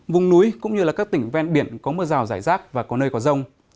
vùng núi cũng như các tỉnh ven biển có mưa rào rải rác và có nơi có rông